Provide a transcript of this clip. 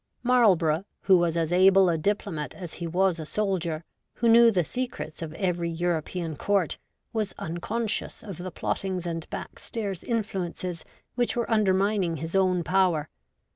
Marlborough, who was as able a diplomat as he was a soldier, who knew the secrets of every European Court, was unconscious of the plottings and backstairs influences which were undermining his own power.